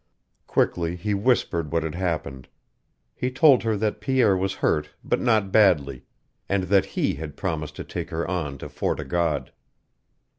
Quickly he whispered what had happened. He told her that Pierre was hurt, but not badly, and that he had promised to take her on to Fort o' God.